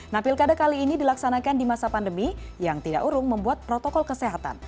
nah pilkada kali ini dilaksanakan di masa pandemi yang tidak urung membuat protokol kesehatan